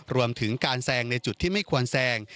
รวมถึงการแซงในจุดที่ไม่ควรแซง